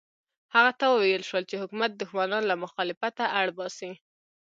هغه ته وویل شول چې حکومت دښمنان له مخالفته اړ باسي.